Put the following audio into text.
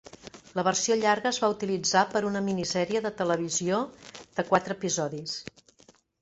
La versió llarga es va utilitzar per a una minisèrie de televisió de quatre episodis.